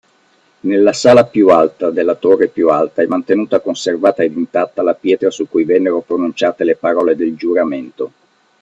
Nella sala più alta della torre più alta è mantenuta conservata ed intatta la pietra su cui vennero pronunciate le parole del giuramento.